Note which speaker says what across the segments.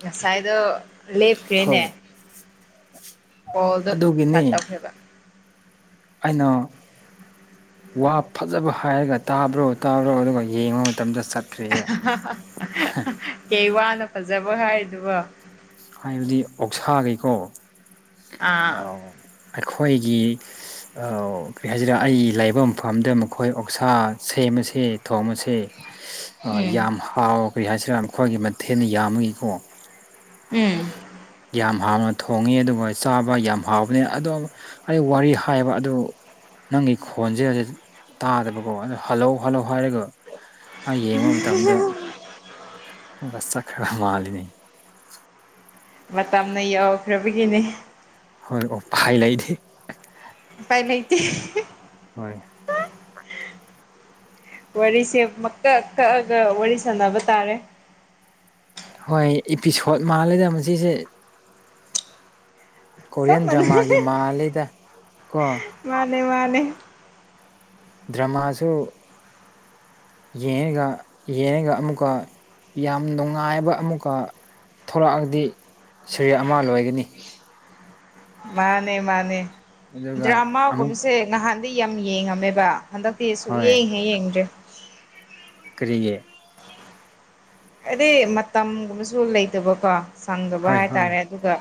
Speaker 1: ꯉꯁꯥꯏꯗ ꯂꯦꯞ ꯐꯈ꯭ꯔꯦꯅꯦ
Speaker 2: ꯍꯣꯏ
Speaker 1: ꯀꯣꯜꯗ ꯀꯠ
Speaker 2: ꯑꯗꯨꯒꯤꯅꯤ
Speaker 1: ꯑꯐ ꯍꯥꯏꯕ
Speaker 2: ꯑꯩꯅ ꯋꯥ ꯐꯖꯕ ꯍꯥꯏꯔꯒ ꯇꯥꯕ꯭ꯔꯣ ꯇꯥꯕ꯭ꯔꯣ ꯑꯗꯨꯒ ꯌꯦꯡꯕ ꯃꯇꯝꯗ ꯆꯠꯈ꯭ꯔꯦꯕ
Speaker 1: ꯀꯩ ꯋꯥꯅ ꯐꯖꯕ ꯍꯥꯏꯗꯨꯕ
Speaker 2: ꯍꯥꯏꯕꯗꯤ ꯑꯣꯛꯁꯥꯈꯩꯀꯣ
Speaker 1: ꯑꯥ
Speaker 2: ꯑꯩꯈꯣꯏꯒꯤ ꯀꯔꯤ ꯍꯥꯏꯁꯤꯔꯦ ꯑꯩ ꯂꯥꯏꯕ ꯃꯐꯝꯗ ꯃꯈꯣꯏ ꯑꯣꯛꯁꯥ ꯁꯦꯝꯃꯁꯦ ꯊꯣꯡ ꯑꯁꯦ
Speaker 1: ꯎꯝ
Speaker 2: ꯌꯥꯝ ꯍꯥꯎ ꯀꯔꯤ ꯍꯥꯏꯁꯤꯔ ꯑꯩꯈꯣꯏꯒꯤ ꯃꯊꯦꯜꯅ ꯌꯥꯝꯕꯒꯀꯣ
Speaker 1: ꯎꯝ
Speaker 2: ꯌꯥꯝ ꯍꯥꯎꯅ ꯊꯣꯡꯉꯤ ꯑꯗꯨꯒ ꯆꯥꯕ ꯌꯥꯝ ꯍꯥꯎꯕꯅꯤ ꯑꯗꯨꯣ ꯑꯩ ꯋꯥꯔꯤ ꯍꯥꯏꯕ ꯑꯗꯨ ꯅꯪꯒꯤ ꯈꯣꯟꯁꯦ ꯍꯧꯖꯤꯛ ꯇꯥꯗꯕꯀꯣ ꯑ ꯍꯜꯂꯧ ꯍꯜꯂꯧ ꯍꯥꯏꯔꯦꯒ ꯑꯩ ꯌꯦꯡꯕ ꯃꯇꯝꯗꯁꯠ ꯈꯔ ꯃꯥꯜꯂꯤꯅꯤ
Speaker 1: ꯃꯇꯝꯅ ꯌꯎꯈ꯭ꯔꯕꯒꯤꯅꯦ
Speaker 2: ꯍꯣꯏ ꯑꯣ ꯄꯥꯏ ꯂꯩꯗꯤ
Speaker 1: ꯄꯥꯏ ꯂꯩꯇ
Speaker 2: ꯍꯣꯏ
Speaker 1: ꯋꯥꯔꯤꯁꯦ ꯃꯀꯛ ꯀꯛꯑꯒ ꯋꯥꯔꯤ ꯁꯥꯟꯅꯕ ꯇꯥꯔꯦ
Speaker 2: ꯍꯣꯏ ꯏꯄꯤꯁꯣꯠ ꯃꯥꯜꯂꯦꯗ ꯃꯁꯤꯁꯦ
Speaker 1: ꯆꯞ
Speaker 2: ꯀꯣꯔꯤꯌꯟ
Speaker 1: ꯃꯥꯟꯅꯩ
Speaker 2: ꯗ꯭ꯔꯃꯥꯒꯤ ꯃꯜꯂꯤꯗ ꯀꯣ
Speaker 1: ꯃꯥꯅꯦ ꯃꯥꯅꯦ
Speaker 2: ꯗ꯭ꯔꯃꯥꯁꯨ ꯌꯦꯡꯉꯒ ꯌꯦꯡꯉꯒ ꯑꯃꯨꯛꯀ ꯌꯥꯝ ꯅꯨꯡꯉꯥꯏꯕ ꯑꯃꯨꯛꯀ ꯊꯣꯛꯂꯛꯑꯗꯤ ꯁꯔꯤ ꯑꯃ ꯂꯣꯏꯒꯅꯤ
Speaker 1: ꯃꯥꯅꯦ ꯃꯥꯅꯦ
Speaker 2: ꯑꯗꯨꯒ
Speaker 1: ꯗ꯭ꯔ
Speaker 2: ꯑꯃꯨꯛ
Speaker 1: ꯑꯃꯥꯒꯨꯝꯁꯦ ꯉꯍꯥꯟ ꯗꯤ ꯌꯥꯝ ꯌꯦꯡꯉꯝꯃꯦꯕ ꯍꯟꯗꯛꯇꯤꯁꯨ
Speaker 2: ꯍꯣꯏ
Speaker 1: ꯌꯦꯡꯉꯦ ꯌꯦꯡꯗ꯭ꯔꯦ
Speaker 2: ꯀꯔꯤꯌꯦ
Speaker 1: ꯑꯗꯩ ꯃꯇꯝꯒꯨꯝꯕꯁꯨ ꯂꯩꯇꯕꯀꯣ ꯁꯪꯗꯕ
Speaker 2: ꯍꯣꯏ ꯍꯣꯏ
Speaker 1: ꯍꯥꯏꯇꯥꯔꯦ ꯑꯗꯨꯒ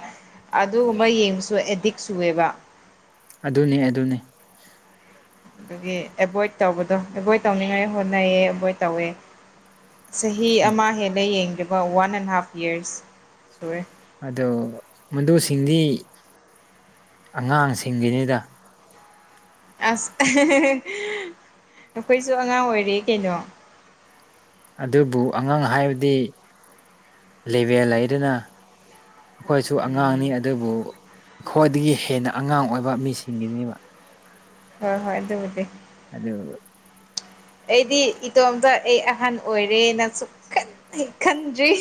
Speaker 1: ꯑꯗꯨꯒꯨꯝꯕ ꯌꯦꯡꯕꯁꯨ ꯑꯦꯗꯤꯛ ꯁꯨꯑꯦꯕ
Speaker 2: ꯑꯗꯨꯅꯦ ꯑꯗꯨꯅꯦ
Speaker 1: ꯑꯗꯨꯒꯤ ꯑꯦꯚꯣꯏꯠ ꯇꯧꯕꯗꯣ ꯑꯦꯚꯣꯏꯠ ꯇꯧꯅꯤꯡꯉꯥꯏ ꯍꯣꯠꯅꯩꯌꯦ ꯑꯦꯚꯣꯏꯠ ꯇꯧꯋꯦ ꯆꯍꯤ ꯑꯃ ꯍꯦꯜꯂ ꯌꯦꯡꯈꯤꯕ ꯋꯥꯟ ꯑꯦꯟ ꯍꯥꯐ ꯌꯔꯁ ꯁꯨꯔꯦ
Speaker 2: ꯑ ꯃꯗꯨꯁꯤꯡꯗꯤ ꯑꯉꯥꯡꯁꯤꯡꯒꯤꯅꯤꯗ
Speaker 1: ꯑꯁ ꯅꯈꯣꯏꯁꯨ ꯑꯉꯥꯡ ꯑꯣꯏꯔꯤ ꯀꯩꯅꯣ
Speaker 2: ꯑꯗꯨꯕꯨ ꯑꯉꯥꯡ ꯍꯥꯏꯕꯗꯤ ꯂꯦꯚꯦꯜ ꯍꯥꯏꯗꯨꯅ ꯑꯩꯈꯣꯏꯁꯨ ꯑꯉꯥꯡꯅꯤ
Speaker 1: ꯎꯝ
Speaker 2: ꯑꯗꯨꯕꯨ ꯈ꯭ꯋꯥꯏꯗꯒꯤ ꯍꯦꯟꯅ ꯑꯉꯥꯡ ꯑꯣꯏꯕ ꯃꯤꯁꯤꯡꯒꯤꯅꯦꯕ
Speaker 1: ꯍꯣꯏ ꯍꯣꯏ ꯑꯗꯨꯕꯨꯗꯤ
Speaker 2: ꯑꯗ ꯑꯣꯏ
Speaker 1: ꯑꯩꯗꯤ ꯏꯇꯣꯝꯇ ꯑꯩ ꯑꯍꯟ ꯑꯣꯏꯔꯦꯅ ꯁ ꯈꯪꯖꯤ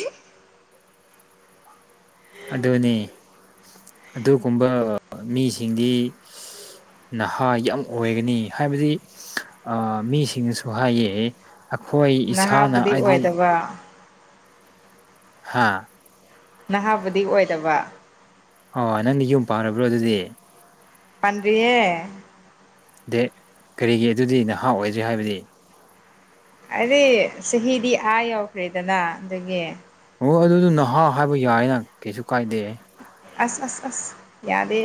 Speaker 2: ꯑꯗꯨꯅꯤ ꯑꯗꯨꯒꯨꯝꯕ ꯃꯤꯁꯤꯡꯗꯤ ꯅꯍꯥ ꯌꯥꯝ ꯑꯣꯏꯒꯅꯤ ꯍꯥꯏꯕꯗꯤ ꯑ ꯃꯤꯁꯤꯡꯅꯁꯨ ꯍꯥꯏꯌꯦ ꯑꯩꯈꯣꯏ ꯏꯁꯥꯅ
Speaker 1: ꯅꯍꯥꯕꯨꯗꯤ
Speaker 2: ꯍꯥꯏꯗꯤ
Speaker 1: ꯑꯣꯏꯗꯕ
Speaker 2: ꯍꯥꯥ
Speaker 1: ꯅꯍꯥꯕꯨꯗꯤ ꯑꯣꯏꯗꯕ
Speaker 2: ꯑ ꯅꯪꯅ ꯌꯨꯝ ꯄꯥꯔꯕ꯭ꯔꯣ ꯑꯗꯨꯗꯤ
Speaker 1: ꯄꯟꯌꯦ
Speaker 2: ꯗꯦ ꯀꯔꯤꯒꯤ ꯑꯗꯨꯗꯤ ꯅꯍꯥ ꯑꯣꯏꯗ꯭ꯔꯤ ꯍꯥꯏꯕꯗꯤ
Speaker 1: ꯑꯩꯗꯤ ꯆꯍꯤꯗꯤ ꯑꯥ ꯌꯎꯈ꯭ꯔꯦꯗꯅ ꯑꯗꯨꯒꯤ
Speaker 2: ꯍꯣꯏ ꯑꯗꯨꯗ ꯅꯍꯥ ꯍꯥꯏꯕ ꯌꯥꯏꯅ ꯀꯩꯁꯨ ꯀꯥꯏꯗꯦ
Speaker 1: ꯑꯁ ꯑꯁ ꯑꯁ ꯌꯥꯗꯦ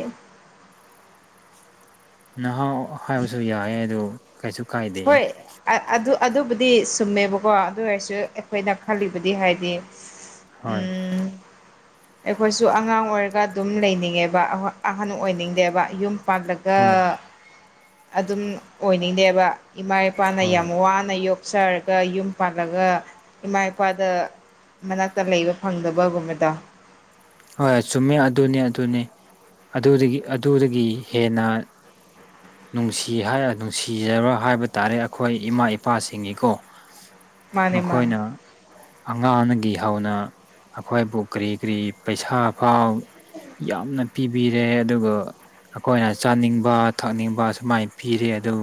Speaker 2: ꯅꯍꯥꯟ ꯍꯥꯏꯕꯁꯨ ꯌꯥꯏ ꯑꯗꯨ ꯀꯩꯁꯨ
Speaker 1: ꯍꯣꯏ
Speaker 2: ꯀꯥꯏꯗꯦ
Speaker 1: ꯑꯗꯨ ꯑꯗꯨꯕꯨ ꯗꯤ ꯁꯨꯝꯃꯦꯕꯀꯣ ꯑꯗꯨ ꯑꯣꯏꯔꯁꯨ ꯑꯩꯈꯣꯏꯅ ꯈꯜꯂꯤꯕꯗꯤ ꯍꯥꯏꯗꯤ
Speaker 2: ꯍꯣꯏ
Speaker 1: ꯎꯝ ꯑꯩꯈꯣꯏꯁꯨ ꯑꯉꯥꯡ ꯑꯣꯏꯔꯒ ꯑꯗꯨꯝ ꯂꯩꯅꯤꯡꯉꯦꯕ ꯑꯍꯟ ꯑꯣꯏꯅꯤꯡꯗꯦꯕ ꯌꯨꯝ ꯄꯥꯜꯂꯒ
Speaker 2: ꯍꯣꯏ
Speaker 1: ꯑꯗꯨꯝ ꯑꯣꯏꯅꯤꯡꯗꯦꯕ ꯏꯃꯥ ꯏꯄꯥꯅ
Speaker 2: ꯍꯣꯏ
Speaker 1: ꯌꯥꯝ ꯋꯥꯅ ꯌꯣꯛꯆꯔꯒ ꯌꯨꯝ ꯄꯥꯜꯂꯒ ꯏꯃꯥ ꯏꯄꯥꯗ ꯃꯅꯥꯛꯇ ꯂꯩꯕ ꯐꯪꯗꯕꯒꯨꯝꯕꯗ
Speaker 2: ꯍꯣꯏ ꯆꯨꯝꯃꯦ ꯑꯗꯨꯅꯤ ꯑꯗꯨꯅꯤ ꯑꯗꯨꯗꯒꯤ ꯑꯗꯨꯗꯒꯤ ꯍꯦꯟꯅ ꯅꯨꯡꯁꯤ ꯅꯨꯡꯁꯤꯖꯕ ꯍꯥꯏꯕ ꯇꯥꯔꯦ ꯑꯩꯈꯣꯏ ꯏꯃꯥ ꯏꯄꯥꯁꯤꯡꯒꯤꯀꯣ
Speaker 1: ꯃꯥꯅꯦ ꯃꯥꯅꯦ
Speaker 2: ꯃꯈꯣꯏꯅ ꯑꯉꯥꯡꯗꯒꯤ ꯍꯧꯅ ꯑꯩꯈꯣꯏꯕꯨ ꯀꯔꯤ ꯀꯔꯤ ꯄꯩꯁꯥ ꯐꯥꯎ ꯌꯥꯝꯅ ꯄꯤꯕꯤꯔꯦ ꯑꯗꯨꯒ ꯑꯩꯈꯣꯏꯅ ꯆꯥꯅꯤꯡꯕ ꯊꯛꯅꯤꯡꯕ ꯁꯨꯃꯥꯏ ꯄꯤꯔꯤ ꯑꯗꯨ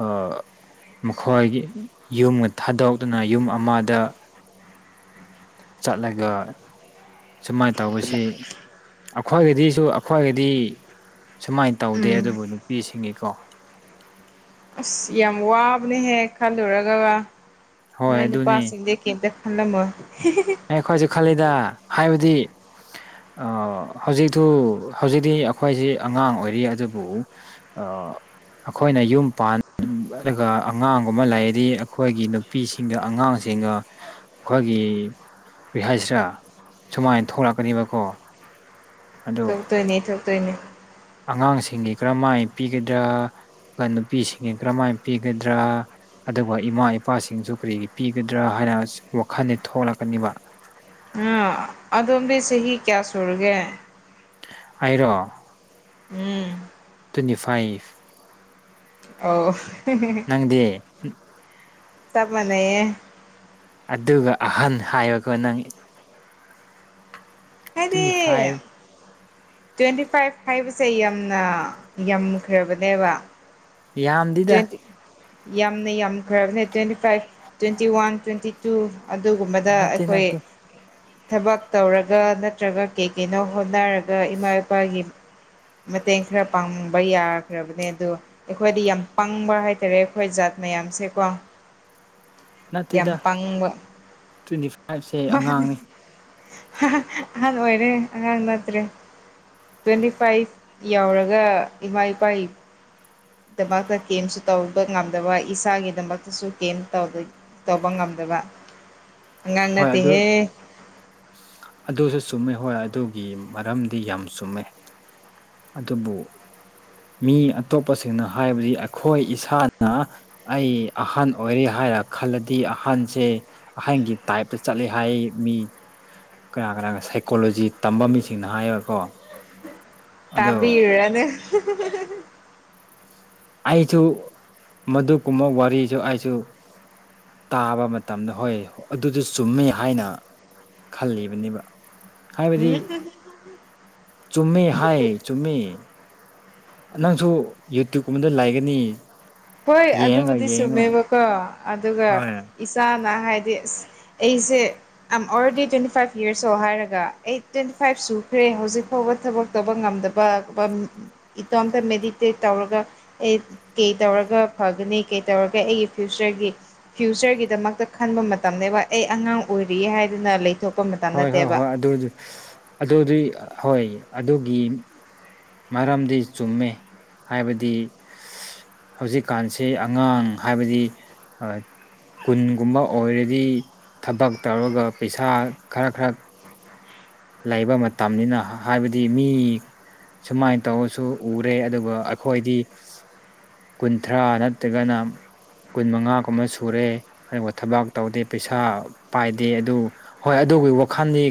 Speaker 2: ꯑ ꯃꯈꯣꯏꯒꯤ ꯌꯨꯝꯒ ꯊꯥꯗꯣꯛꯇꯨꯅ ꯌꯨꯝ ꯑꯃꯗ ꯆꯠꯂꯒ ꯁꯨꯃꯥꯏꯅ ꯇꯧꯕꯁꯤ ꯑꯩꯈꯣꯏꯒꯗꯤꯁꯨ ꯑꯩꯈ꯭ꯣꯏꯒꯗꯤ ꯁꯨꯃꯥꯏꯅ ꯇꯧꯗꯦ
Speaker 1: ꯎꯝ
Speaker 2: ꯑꯗꯨꯕꯨ ꯅꯨꯄꯤꯁꯤꯡꯒꯤꯀꯣ
Speaker 1: ꯑꯁ ꯌꯥꯝ ꯋꯥꯕꯅꯦꯍꯦꯛ ꯈꯜꯂꯨꯔꯒꯒ
Speaker 2: ꯍꯣꯏ
Speaker 1: ꯅꯣꯏ ꯅꯨꯄꯥꯁꯤꯡꯁꯦ ꯀꯩꯇ ꯈꯜꯂꯝꯃꯣ
Speaker 2: ꯑꯦ ꯑꯩꯈꯣꯏꯁꯨꯦ ꯈꯜꯂꯤꯗ ꯍꯥꯏꯕꯗꯤ
Speaker 1: [inaudible]
Speaker 2: ꯍꯧꯖꯤꯛꯇꯨ ꯍꯧꯖꯤꯛꯇꯤ ꯑꯩꯈꯣꯏꯁꯤ ꯑꯉꯥꯡ ꯑꯣꯏꯔꯤ ꯑꯗꯨꯕꯨ ꯑꯩꯈꯣꯏꯅ ꯌꯨꯝ ꯄꯥꯟ ꯑꯗꯨꯒ ꯑꯉꯥꯡꯒꯨꯝꯕ ꯂꯩꯔꯗꯤ ꯑꯩꯈꯣꯏꯒꯤ ꯅꯨꯄꯤꯁꯤꯡꯒ ꯑꯉꯥꯡꯁꯤꯡꯒ ꯑꯩꯈꯣꯏꯒꯤ ꯀꯔꯤꯍꯁꯤꯔꯥ ꯁꯨꯃꯥꯏꯅ ꯊꯣꯛꯂꯛꯀꯅꯦꯕꯀꯣ ꯑꯗꯣ
Speaker 1: ꯊꯣꯛꯇꯣꯏꯅꯦ ꯊꯣꯛꯇꯣꯏꯅꯦ
Speaker 2: ꯑꯉꯥꯡꯁꯤꯡꯒꯤ ꯀꯔꯝꯍꯥꯏ ꯄꯤꯒꯗ꯭ꯔꯥ ꯅꯨꯄꯤꯁꯤꯡ ꯀꯔꯝꯍꯥꯏꯅ ꯄꯤꯒꯗ꯭ꯔꯥ ꯑꯗꯨꯒ ꯏꯃꯥ ꯏꯄꯥꯁꯤꯡꯁꯨ ꯀꯔꯤꯒꯤ ꯄꯤꯒꯗ꯭ꯔꯥ ꯍꯥꯏ ꯍꯥꯏꯅ ꯋꯥꯈꯜꯁ ꯊꯣꯛꯂꯛꯀꯅꯤꯕ
Speaker 1: ꯎ ꯑꯗꯣꯝꯕꯤ ꯆꯍꯤ ꯀꯌꯥ ꯁꯨꯔꯒꯦ
Speaker 2: ꯑꯔꯣ
Speaker 1: ꯎꯝ
Speaker 2: ꯇ ꯅꯅꯤꯐꯥꯏꯐ
Speaker 1: ꯑ
Speaker 2: ꯅꯪꯗꯦ
Speaker 1: ꯇꯞ ꯃꯅꯦꯌꯦ
Speaker 2: ꯑꯗꯨꯒ ꯑꯍꯟ ꯍꯥꯏꯕꯒꯣ ꯅꯪ
Speaker 1: ꯍꯥꯏꯗꯤ
Speaker 2: ꯇ꯭ꯋꯦꯟꯇꯤ ꯐꯥꯏꯚ
Speaker 1: ꯇ꯭ꯋꯦꯟꯇꯤ ꯐꯥꯏꯚ ꯍꯥꯏꯕꯁꯦ ꯌꯥꯝꯅ ꯌꯥꯝꯈ꯭ꯔꯕꯅꯦꯕ
Speaker 2: ꯌꯥꯝꯗꯤꯗ
Speaker 1: ꯇ꯭ꯋꯦꯟꯇꯤ ꯌꯥꯝꯅ ꯌꯥꯝꯈ꯭ꯔꯕꯅꯦ twenty five twenty one twenty two ꯑꯗꯨꯒꯨꯝꯕꯗ
Speaker 2: ꯅꯠꯇꯦ
Speaker 1: ꯑꯩꯈꯣꯏ
Speaker 2: ꯅꯠꯇꯦ
Speaker 1: ꯊꯕꯛ ꯇꯧꯔꯒ ꯅꯠꯇ꯭ꯔꯒ ꯀꯩ ꯀꯩꯅꯣ ꯍꯣꯠꯅꯔꯒ ꯏꯃꯥ ꯏꯄꯥꯒꯤ ꯃꯇꯦꯡ ꯈꯔ ꯄꯥꯡꯕ ꯌꯥꯈ꯭ꯔꯕꯅꯦ ꯑꯗꯣ ꯑꯩꯈꯣꯏꯗ ꯌꯥꯝ ꯄꯪꯕ ꯍꯥꯏꯇꯥꯔꯦ ꯑꯩꯈꯣꯏ ꯖꯥꯠ ꯃꯌꯥꯝꯁꯦꯀꯣ ꯌꯥꯝ
Speaker 2: ꯅꯠꯇꯦꯗ
Speaker 1: ꯄꯪꯕ
Speaker 2: ꯇ꯭ꯋꯦꯟꯇꯤ ꯐꯥꯏꯚꯁꯦ
Speaker 1: ꯑ
Speaker 2: ꯑꯉꯥꯡꯅꯤ
Speaker 1: ꯑꯣꯏꯣꯏꯔꯦ ꯑꯉꯥꯡ ꯃꯥꯠꯇ꯭ꯔꯦ ꯇ꯭ꯋꯦꯟꯇꯤ ꯐꯥꯏꯚ ꯌꯧꯔꯒ ꯏꯃꯥ ꯏꯄꯥ ꯗꯃꯛꯇ ꯀꯦꯝꯁꯨ ꯇꯧꯕ ꯉꯝꯗꯕ ꯏꯁꯥꯒꯤꯗꯃꯛꯇꯁꯨ ꯀꯦꯝ ꯇꯧꯕ ꯉꯝꯗꯕ
Speaker 2: ꯍꯣꯏ ꯑꯗꯨ
Speaker 1: ꯉꯗꯗꯤꯤꯍꯦ
Speaker 2: ꯑꯗꯨꯁꯨ ꯆꯨꯝꯃꯦ ꯍꯣꯏ ꯑꯗꯨꯒꯤ ꯃꯔꯝꯗꯤ ꯌꯥꯝ ꯆꯨꯝꯃꯦ ꯑꯗꯨꯕꯨ ꯃꯤ ꯑꯇꯣꯞꯄꯁꯤꯡꯅ ꯍꯥꯏꯕꯗꯤ ꯑꯩꯈꯣꯏ ꯏꯁꯥꯅ ꯑꯩ ꯑꯍꯟ ꯑꯣꯏꯔꯦ ꯍꯥꯏ ꯍꯥꯏꯔ ꯈꯜꯂꯗꯤ ꯑꯍꯟꯁꯦ ꯑꯍꯟꯒꯤ ꯇꯥꯏꯞꯇ ꯆꯠꯂꯦ ꯍꯥꯏ ꯃꯤ ꯀꯅꯥ ꯀꯅꯥꯒ ꯁꯥꯏꯀꯣꯂꯣꯖꯤ ꯇꯝꯕ ꯃꯤꯁꯤꯡꯅ ꯍꯥꯏꯌꯦꯀꯣ
Speaker 1: ꯇꯥꯕꯤꯌꯟ
Speaker 2: ꯑꯩꯁꯨ ꯃꯗꯨꯀꯨꯝꯕ ꯋꯥꯔꯤꯁꯨ ꯑꯩꯁꯨ ꯇꯥꯕ ꯃꯇꯝꯗ ꯍꯣꯏ ꯑꯗꯨꯗ ꯆꯨꯝꯃꯤ ꯍꯥꯏꯅ ꯈꯜꯂꯤꯕꯅꯦꯕ ꯍꯥꯏꯕꯗꯤ ꯆꯨꯝꯃꯦ ꯍꯥꯏ ꯆꯨꯝꯃꯦ ꯅꯪꯁꯨ ꯌꯨꯇ꯭ꯌꯨꯕꯀꯨꯝꯕꯗ ꯂꯥꯛꯒꯅꯤ
Speaker 1: ꯍꯣꯏ ꯑꯗꯨꯕꯨꯗꯤ ꯁꯨꯝꯃꯦꯕꯀꯣ ꯑꯗꯨꯒ
Speaker 2: ꯍꯣꯏ
Speaker 1: ꯏꯁꯥ ꯍꯥꯏꯗꯤ ꯑꯁ ꯑꯩꯁꯦ ꯑ ꯑꯣꯜꯔꯦꯗꯤ ꯇ꯭ꯋꯦꯟꯇꯤ ꯐꯥꯏꯚ ꯌꯔꯁ ꯍꯥꯏꯔꯒ ꯑꯩ ꯇ꯭ꯋꯦꯟꯇꯤ ꯐꯥꯏꯚ ꯁꯨꯈ꯭ꯔꯦ ꯍꯧꯖꯤꯛ ꯐꯥꯎꯕ ꯊꯕꯛ ꯇꯧꯕ ꯉꯝꯗꯕ ꯏꯇꯣꯝꯇ ꯃꯦꯗꯤꯇꯦꯠ ꯇꯧꯔꯒ ꯑꯦ ꯀꯩ ꯇꯧꯔꯒ ꯐꯒꯅꯤ ꯀꯩ ꯇꯧꯔꯒ ꯑꯩꯒꯤ ꯐ꯭ꯌꯨꯆꯔꯒꯤ ꯐ꯭ꯌꯨꯆꯔꯒꯤꯗꯃꯛꯇ ꯈꯟꯕ ꯃꯇꯝꯅꯦꯕ ꯑꯩ ꯑꯉꯥꯡ ꯑꯣꯏꯔꯤꯌꯦ ꯍꯥꯏꯗꯅ ꯂꯩꯊꯣꯛ
Speaker 2: ꯍꯣꯏ ꯍꯣꯏ ꯍꯣꯏ ꯑꯗꯨ ꯑꯗꯨꯗꯤ ꯍꯣꯏ ꯑꯗꯨꯒꯤ ꯃꯔꯝꯗꯤ ꯆꯨꯝꯃꯦ ꯍꯥꯏꯕꯗꯤ ꯍꯧꯖꯤꯛꯀꯥꯟꯁꯤ ꯑꯉꯥꯡ ꯍꯥꯏꯕꯗꯤ ꯑ ꯀꯨꯟꯒꯨꯝꯕ ꯑꯣꯏꯔꯗꯤ ꯊꯕꯛ ꯇꯧꯔꯒ ꯄꯩꯁꯥ ꯈꯔ ꯈꯔ ꯂꯩꯕ ꯃꯇꯝꯅꯤꯅ ꯍꯥꯏꯕꯗꯤ ꯃꯤ ꯁꯨꯃꯥꯏꯟ ꯇꯧꯔꯁꯨ ꯎꯔꯦ ꯑꯗꯨꯒ ꯑꯩꯈꯣꯏꯗꯤ ꯀꯨꯟꯊ꯭ꯔꯥ ꯅꯠꯇ꯭ꯔꯒꯅ ꯀꯨꯟ ꯃꯉꯥꯒꯨꯝꯕ ꯁꯨꯔꯦ ꯑꯗꯨꯒ ꯊꯕꯛ ꯇꯧꯗꯦ ꯄꯩꯁꯥ ꯄꯥꯏꯗꯦ ꯑꯗꯨ ꯍꯣꯏ ꯑꯗꯨ ꯑꯗꯨꯒꯤ ꯋꯥꯈꯜꯗꯤ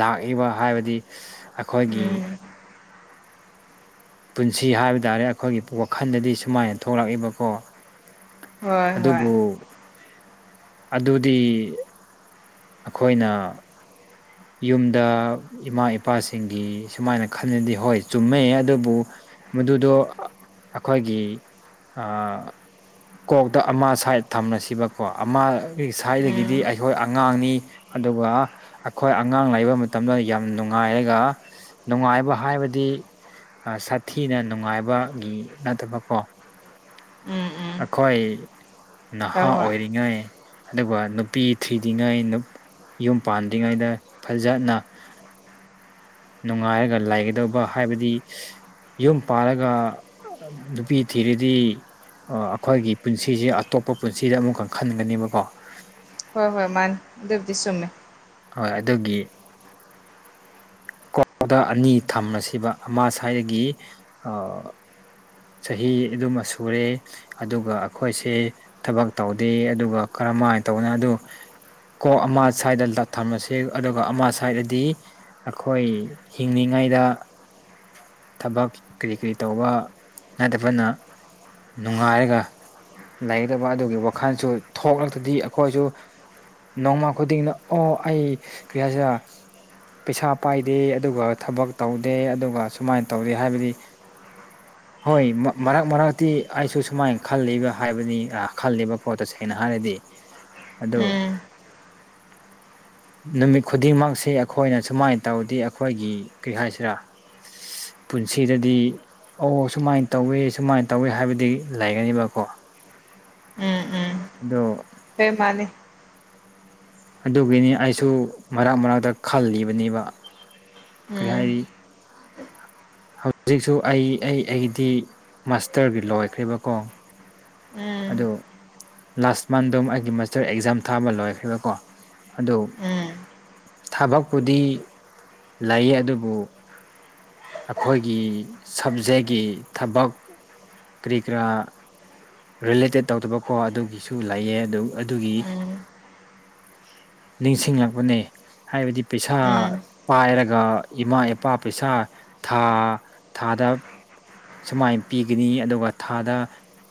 Speaker 2: ꯂꯥꯛꯏꯕ ꯍꯥꯏꯕꯗꯤ ꯑꯩꯈꯣꯏꯒꯤ
Speaker 1: ꯎꯝ
Speaker 2: ꯄꯨꯟꯁꯤ ꯍꯥꯏꯕ ꯇꯥꯔꯦ ꯑꯩꯈꯣꯏꯒꯤ ꯋꯥꯈꯜꯗꯗꯤ ꯁꯨꯃꯥꯏꯅ ꯊꯣꯛꯂꯛꯏꯕꯀꯣ
Speaker 1: ꯍꯣꯏ ꯍꯣꯏ
Speaker 2: ꯑꯗꯨꯕꯨ ꯑꯗꯨꯗꯤ ꯑꯈꯣꯏꯅ ꯌꯨꯝꯗ ꯏꯃꯥ ꯏꯄꯥꯁꯤꯡꯒꯤ ꯁꯨꯃꯥꯏꯅ ꯈꯟꯂꯗꯤ ꯍꯣꯏ ꯆꯨꯝꯃꯦ ꯑꯗꯨꯕꯨ ꯃꯗꯨꯗꯣ ꯑꯩꯈꯣꯏꯒꯤ ꯑ ꯀꯣꯛꯇ ꯑꯃ ꯁꯥꯏꯠ ꯊꯝꯃꯁꯤꯕꯀꯣ ꯑꯃ ꯁꯥꯏꯗꯒꯤꯗꯤ
Speaker 1: ꯎꯝ
Speaker 2: ꯑꯩꯈꯣꯏ ꯑꯉꯥꯡꯅꯤ ꯑꯗꯨꯒ ꯑꯩꯈꯣꯏ ꯑꯉꯥꯡ ꯂꯩꯕ ꯃꯇꯝꯗ ꯌꯥꯝ ꯅꯨꯡꯉꯥꯏꯔꯒ ꯅꯨꯡꯉꯥꯏꯕ ꯍꯥꯏꯕꯗꯤ ꯁꯥꯊꯤꯅ ꯅꯨꯡꯉꯥꯏꯕꯒꯤ ꯅꯠꯇꯕ ꯀꯣ
Speaker 1: ꯎꯝ ꯎꯝ
Speaker 2: ꯑꯈꯣꯏ ꯅꯍꯥ
Speaker 1: ꯍꯣꯏ ꯍꯣꯏ
Speaker 2: ꯑꯣꯏꯔꯤꯉꯩ ꯑꯗꯨꯒ ꯅꯨꯄꯤ ꯊꯤꯗꯤꯉꯩ ꯌꯨꯝ ꯄꯥꯟꯗ꯭ꯔꯤꯉꯩꯗ ꯐꯖꯅ ꯅꯨꯡꯉꯥꯏꯔꯒ ꯂꯩꯥꯒꯗꯧꯕ ꯍꯥꯏꯕꯗꯤ ꯌꯨꯝ ꯄꯥꯜꯂꯒ ꯅꯨꯄꯤ ꯊꯤꯔꯗꯤ ꯑ ꯑꯈꯣꯏꯒꯤ ꯄꯨꯟꯁꯤꯖꯦ ꯑꯇꯣꯞꯄ ꯄꯨꯟꯁꯤꯗ ꯑꯃꯨꯛꯀ ꯈꯟꯕꯅꯦꯕꯀꯣ
Speaker 1: ꯍꯣꯏ ꯍꯣꯏ ꯃꯥꯅꯤ ꯑꯗꯨꯕꯨꯗꯤ ꯆꯨꯝꯃꯦ
Speaker 2: ꯍꯣꯏ ꯑꯗꯨꯒꯤ ꯀꯣꯛꯇ ꯑꯅꯤ ꯊꯝꯃꯁꯦꯕ ꯑꯃ ꯁꯥꯏꯗꯒꯤ ꯆꯍꯤ ꯑꯗꯨꯃ ꯁꯨꯔꯦ ꯑꯗꯨꯒ ꯑꯈꯣꯏꯁꯦ ꯊꯕꯛ ꯇꯧꯗꯦ ꯑꯗꯨꯒ ꯀꯔ ꯃꯥꯏ ꯇꯧꯕꯅꯦ ꯑꯗꯨ ꯀꯣꯛ ꯑꯃ ꯁꯥꯏꯗ ꯊꯝꯂꯁꯤ ꯑꯗꯨꯒ ꯑꯃ ꯁꯥꯏꯗꯗꯤ ꯑꯈꯣꯏ ꯍꯤꯡꯂꯤꯉꯩꯗ ꯊꯕꯛ ꯀꯔꯤ ꯀꯔꯤ ꯇꯧꯕ ꯅꯠꯇꯕꯅ ꯅꯨꯡꯉꯥꯏꯔꯒ ꯂꯩꯗꯕ ꯑꯗꯨꯒꯤ ꯋꯥꯈꯜꯁꯨ ꯊꯣꯛꯂꯛꯇꯗꯤ ꯑꯈꯣꯏꯁꯨ ꯅꯣꯡꯃ ꯈꯨꯗꯤꯡꯅ ꯑꯣ ꯑꯩ ꯀꯔꯤꯌꯥꯁꯤꯔꯥ ꯄꯩꯁꯥ ꯄꯥꯏꯗꯦ ꯑꯗꯨꯒ ꯊꯕꯛ ꯇꯧꯗꯦ ꯑꯗꯨꯒ ꯁꯨꯃꯥꯏꯅ ꯇꯧꯗꯦ ꯍꯥꯏꯕꯗꯤ
Speaker 1: [unintelligible]
Speaker 2: ꯍꯣꯏ ꯃꯔꯛ ꯃꯔꯛꯇꯤ ꯑꯩꯁꯨ ꯁꯨꯃꯥꯏꯅ ꯈꯜꯂꯤꯕ ꯍꯥꯏꯕꯅꯤ ꯈꯜꯂꯤꯕ ꯄꯣꯠꯇꯣ ꯁꯦꯡꯅ ꯍꯥꯏꯔꯗꯤ ꯑꯗꯣ
Speaker 1: ꯎꯝ [unintelligible]
Speaker 2: ꯅꯨꯃꯤꯠ ꯈꯨꯗꯤꯡꯃꯛꯁꯤ ꯑꯩꯈꯣꯏꯅ ꯁꯨꯃꯥꯏꯅ ꯇꯧꯗꯤ ꯑꯩꯈꯣꯏꯒꯤ ꯀꯔꯤ ꯍꯥꯏꯁꯤꯔꯥ ꯄꯨꯟꯁꯤꯗꯗꯤ ꯑꯣ ꯁꯨꯃꯥꯏꯟ ꯇꯧꯋꯦ ꯁꯨꯃꯥꯏꯟ ꯇꯧꯋꯦ ꯍꯥꯏꯕꯗꯤ ꯂꯩꯒꯅꯦꯕꯀꯣ ꯑꯗꯣ
Speaker 1: ꯍꯦ ꯃꯥꯅꯤ
Speaker 2: ꯑꯗꯨꯒꯤꯅꯤ ꯑꯩꯁꯨ ꯃꯔꯛ ꯃꯔꯛꯇ ꯈꯜꯂꯤꯕꯅꯦꯕ
Speaker 1: ꯎꯝ
Speaker 2: ꯀꯔꯤꯍꯥꯏꯔꯤ ꯍꯧꯖꯤꯛꯁꯨ ꯑꯩ ꯑꯩ ꯑꯩꯗꯤ ꯃꯥꯁꯇꯔꯒꯤ ꯂꯣꯏꯈ꯭ꯔꯦꯕꯀꯣ
Speaker 1: ꯎꯝ
Speaker 2: ꯑꯗꯣ ꯂꯥꯁ ꯃꯟꯗꯨꯝ ꯑꯩꯒꯤ ꯃꯥꯁꯇꯔ ꯑꯦꯛꯖꯥꯝ ꯊꯥꯕ ꯂꯣꯏꯈ꯭ꯔꯦꯕꯀꯣ ꯑꯗꯨ
Speaker 1: ꯎꯝ
Speaker 2: ꯊꯕꯛꯄꯨꯗꯤ ꯂꯩꯌꯦ ꯑꯗꯨꯕꯨ ꯑꯈꯣꯏꯒꯤ ꯁꯕꯖꯦꯛꯒꯤ ꯊꯕꯛ ꯀꯔꯤ ꯀꯔꯥ ꯔꯤꯂꯦꯇꯦꯠ ꯇꯧꯗꯕꯀꯣ ꯑꯗꯨꯒꯤꯁꯨ ꯂꯩꯑꯦ ꯑꯗꯨꯝ ꯑꯗꯨꯒꯤ
Speaker 1: ꯎꯝ
Speaker 2: ꯅꯤꯡꯁꯤꯡꯂꯛꯄꯅꯦ ꯍꯥꯏꯕꯗꯤ ꯄꯩꯁꯥ
Speaker 1: ꯎꯝ
Speaker 2: ꯄꯥꯏꯔꯒ ꯑꯗꯨꯒ ꯏꯃꯥ ꯏꯄꯥ ꯄꯩꯁꯥ ꯊꯥ ꯊꯥꯗ ꯁꯨꯃꯥꯏꯅ ꯄꯤꯒꯅꯤ ꯑꯗꯨꯒ ꯊꯥꯗ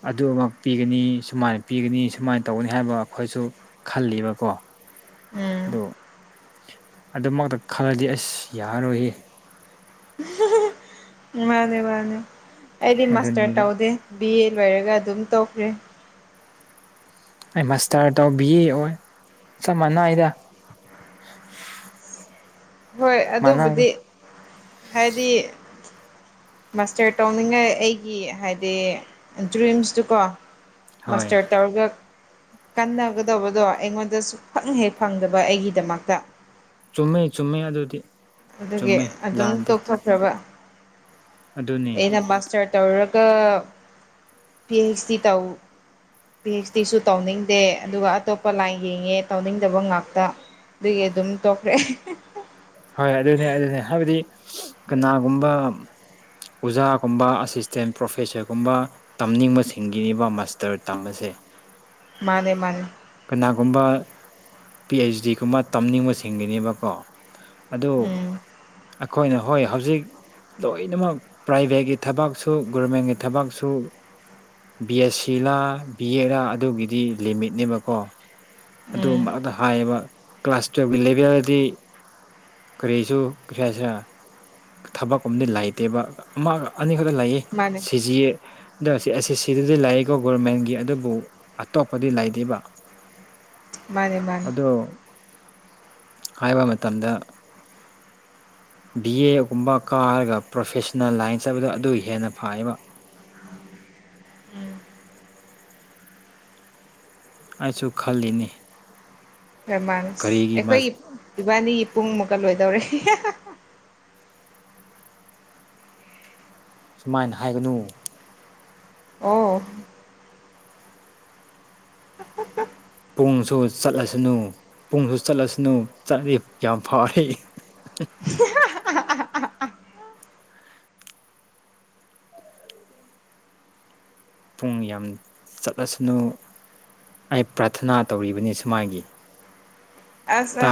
Speaker 2: ꯑꯗꯨꯃꯛ ꯄꯤꯒꯅꯤ ꯁꯨꯃꯥꯏꯅ ꯄꯤꯒꯅꯤ ꯁꯨꯃꯥꯏꯅ ꯇꯧꯒꯅꯤ ꯍꯥꯏꯕ ꯑꯩꯈꯣꯏꯁꯨ ꯈꯜꯂꯤꯕꯀꯣ ꯗ
Speaker 1: ꯎꯝ
Speaker 2: ꯑꯗꯨꯃꯛꯇ ꯈꯜꯂꯗꯤ ꯑꯁ ꯌꯥꯔꯔꯣꯏꯍ
Speaker 1: ꯃꯥꯅꯦ ꯃꯥꯅꯦ ꯑꯦꯗꯤ ꯃꯁꯇꯔ
Speaker 2: ꯑꯗꯨꯅꯦꯕ
Speaker 1: ꯇꯧꯗ ꯕꯤ ꯑꯦ ꯂꯣꯏꯔꯒ ꯑꯗꯨꯝ ꯇꯧꯈ꯭ꯔꯦ
Speaker 2: ꯑꯩ ꯃꯁꯇꯔ ꯇꯧꯕꯤ ꯑꯣꯏ ꯆꯞ ꯃꯥꯟꯅꯏꯗ
Speaker 1: ꯍꯣꯏ ꯑꯗꯨꯕꯨꯗꯤ ꯍꯥꯏꯗꯤ ꯃꯥꯁꯇꯔ ꯇꯧꯅꯤꯡꯉꯥꯏ ꯑꯩꯒꯤ ꯍꯥꯏꯗꯤ ꯗ꯭ꯔꯤꯝꯁꯇꯨꯀꯣ
Speaker 2: ꯍꯣꯏ
Speaker 1: ꯃꯁꯇꯔꯠ ꯇꯧꯔꯒ ꯀꯟꯅꯒꯗꯧꯕꯗꯣ ꯑꯩꯉꯣꯟꯗ ꯁ ꯈꯪ ꯍꯦꯛ ꯐꯪꯗꯕ ꯑꯩꯒꯤꯗꯃꯛꯇ
Speaker 2: ꯆꯨꯝꯃꯤ ꯆꯨꯝꯃꯤ ꯑꯗꯨꯗꯤ
Speaker 1: ꯑꯗꯨꯒꯤ
Speaker 2: ꯆꯨꯝꯃꯦ
Speaker 1: ꯑꯗꯨꯝ
Speaker 2: ꯂꯥꯟꯗꯦ
Speaker 1: ꯇꯣꯛꯊꯈ꯭ꯔꯕ
Speaker 2: ꯑꯗꯨꯅꯤ
Speaker 1: ꯑꯩꯅ ꯃꯥꯁꯇꯔ ꯇꯧꯔꯒ ꯄꯤ ꯍꯩꯆ ꯗꯤ ꯇꯧ ꯄꯤ ꯑꯩꯩꯆ ꯗꯤꯁꯨ ꯇꯧꯅꯤꯡꯗꯦ ꯑꯗꯨꯒ ꯑꯇꯣꯞꯄ ꯂꯥꯏꯟ ꯌꯦꯡꯉꯦ ꯇꯧꯅꯤꯡꯗꯕ ꯉꯥꯛꯇ ꯑꯗꯨꯒꯤ ꯑꯗꯨꯝ ꯇꯣꯛꯈ꯭ꯔꯦ
Speaker 2: ꯍꯣꯏ ꯑꯗꯨꯅꯦ ꯑꯗꯨꯅꯦ ꯍꯥꯏꯕꯗꯤ ꯀꯅꯥꯒꯨꯝꯕ ꯑꯣꯖꯥꯒꯨꯝꯕ ꯑꯁꯤꯁꯇꯦꯟ ꯄ꯭ꯔꯣꯐꯦꯁꯔꯒꯨꯝꯕ ꯇꯝꯅꯤꯡꯕꯁꯤꯡꯒꯤꯅꯦꯕ ꯃꯥꯁꯇꯔ ꯇꯝꯕ ꯑꯁꯦ
Speaker 1: ꯃꯥꯅꯦ ꯃꯥꯅꯦ
Speaker 2: ꯀꯅꯥꯒꯨꯝꯕ ꯄꯤ ꯑꯩꯆ ꯗꯤꯒꯨꯝꯕ ꯇꯝꯅꯤꯡꯕꯁꯤꯡꯒꯤꯅꯦꯕꯀꯣ ꯑꯗꯨ
Speaker 1: ꯎꯝ
Speaker 2: ꯑꯩꯈꯣꯏꯅ ꯍꯣꯏ ꯍꯧꯖꯤꯛ ꯂꯣꯏꯅꯃꯛ ꯄ꯭ꯔꯥꯏꯚꯦꯠꯀꯤ ꯊꯕꯛꯁꯨ ꯒꯣꯔꯚꯃꯦꯟꯒꯤ ꯊꯕꯛꯁꯨ ꯕꯤ ꯑꯦꯁ ꯁꯤꯂꯥ ꯕꯤ ꯑꯦꯂꯥ ꯑꯗꯨꯒꯤꯗꯤ ꯂꯤꯃꯤꯠꯅꯦꯕꯀꯣ ꯑꯗꯨ
Speaker 1: ꯎꯝ
Speaker 2: ꯑꯃꯇ ꯍꯥꯏꯌꯦꯕ ꯀ꯭ꯂꯥꯁ ꯇꯨꯌꯦꯜꯞꯀꯤ ꯂꯦꯚꯦꯜꯗꯤ ꯀꯔꯤꯁꯨ ꯄꯩꯥꯁꯤ ꯊꯕꯛ ꯑ ꯑꯃꯗꯤꯗꯤ ꯂꯩꯇꯦꯕ ꯑꯃ ꯑꯅꯤꯈꯛ ꯑꯗꯨ ꯂꯩꯌꯦ
Speaker 1: ꯃꯥꯅꯦ
Speaker 2: ꯁꯤꯁꯤ ꯗ ꯁꯤ ꯑꯦꯁ ꯑꯦꯁ ꯁꯤꯗꯗꯤ ꯂꯩꯏꯀꯣ ꯒꯣꯔꯃꯦꯟꯒꯤ ꯑꯗꯨꯕꯨ ꯑꯇꯣꯞꯄꯗꯤ ꯂꯩꯇꯦꯕ
Speaker 1: ꯃꯥꯅꯤ ꯃꯥꯅꯤ
Speaker 2: ꯑꯗꯣ ꯍꯥꯏꯕ ꯃꯇꯝꯗ ꯕꯤ ꯑꯦꯒꯨꯝꯕ ꯀꯥꯔꯒ ꯄ꯭ꯔꯣꯐꯦꯁꯟꯅꯜ ꯂꯥꯏꯟ ꯆꯠꯄꯗꯣ ꯑꯗꯨ ꯍꯦꯟꯅ ꯐꯥꯏꯌꯦꯕ
Speaker 1: ꯎꯝ
Speaker 2: ꯑꯩꯁꯨ ꯈꯜꯂꯤꯅꯤ
Speaker 1: ꯔ꯭ꯔꯃꯥꯅꯁ
Speaker 2: ꯀꯔꯤꯒꯤ
Speaker 1: ꯑꯩꯈꯣꯏꯒꯤ ꯏꯕꯥꯅꯤꯒꯤ ꯄꯨꯡꯃꯨꯛꯀ ꯂꯣꯏꯗꯧꯔꯦ
Speaker 2: ꯁꯨꯃꯥꯏꯅ ꯍꯥꯏꯒꯅꯨ
Speaker 1: ꯑꯣ
Speaker 2: ꯄꯨꯡꯁꯨ ꯆꯠꯂꯁꯅꯨ ꯄꯨꯡꯁꯨ ꯆꯠꯂꯁꯅꯨ ꯆꯠꯂꯗꯤ ꯌꯥꯝ ꯐꯥꯎꯔꯦ
Speaker 1: [unintelligible]
Speaker 2: ꯄꯨꯡ ꯌꯥꯝ ꯆꯠꯂꯁꯅꯨ ꯑꯩ ꯄ꯭ꯔꯥꯊꯅꯥ ꯇꯧꯔꯤꯕꯅꯤ ꯁꯨꯃꯥꯏꯒꯤ
Speaker 1: ꯑ ꯑ
Speaker 2: ꯇꯥ